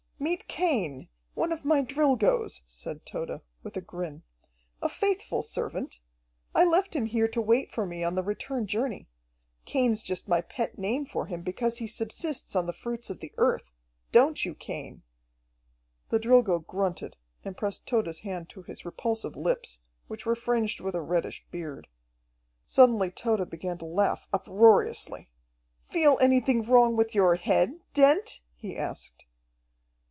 "Meet Cain, one of my Drilgoes," said Tode, with a grin. "A faithful servant. I left him here to wait for me on the return journey. Cain's just my pet name for him because he subsists on the fruits of the earth, don't you, Cain?" The Drilgo grunted, and pressed Tode's hand to his repulsive lips, which were fringed with a reddish beard. Suddenly Tode began to laugh uproariously. "Feel anything wrong with your head, Dent?" he asked.